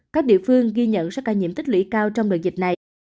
các địa phương ghi nhận số ca nhiễm tích lũy cao trong đợt dịch này